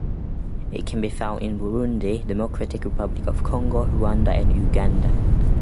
It can be found in Burundi, Democratic Republic of Congo, Ruanda and Uganda.